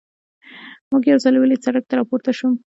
مې یو څلی ولید، سړک ته را پورته شوم.